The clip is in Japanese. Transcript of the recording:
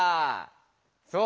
そう。